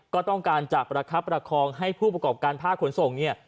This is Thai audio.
ก็ต้องการจะประคับประคองให้ผู้ประกอบการภาคขนส่งเนี่ย